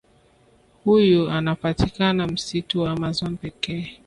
Huyu anapatikana msitu wa amazon pekee